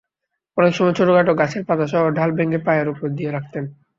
অনেক সময় ছোটখাটো গাছের পাতাসহ ডাল ভেঙে পায়ের ওপর দিয়ে রাখতেন।